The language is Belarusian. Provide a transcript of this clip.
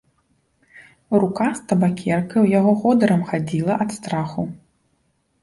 Рука з табакеркай у яго ходырам хадзіла ад страху.